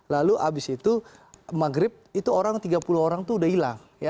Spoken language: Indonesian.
lalu abis itu maghrib itu orang tiga puluh orang itu udah hilang